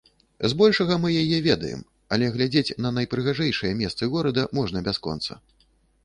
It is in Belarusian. Збольшага, мы яе ведаем, але глядзець на найпрыгажэйшыя месцы горада можна бясконца.